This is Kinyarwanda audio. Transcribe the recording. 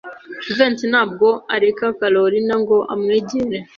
Jivency ntabwo areka Kalorina ngo amwegere.